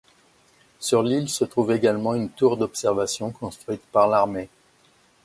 Sur l'île se trouve également une tour d'observation construite par l'armée.